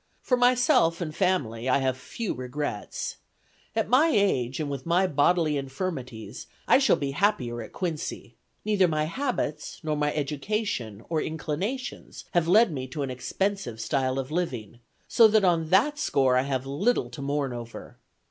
For myself and family, I have few regrets. At my age, and with my bodily infirmities, I shall be happier at Quincy. Neither my habits, nor my education, or inclinations have led me to an expensive style of living, so that on that score I have little to mourn over.